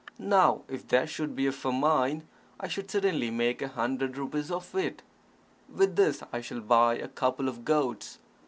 Now, if there should be a famine, I should certainly make a hundred rupees by it. With this I shall buy a couple of goats.